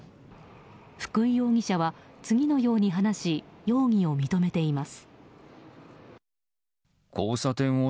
福井容疑者は次のように話し容疑を認めています。